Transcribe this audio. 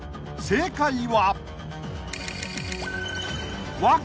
［正解は］